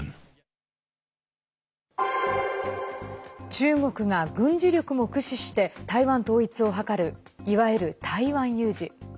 中国が軍事力も駆使して台湾統一をはかるいわゆる台湾有事。